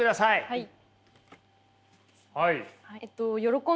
はい。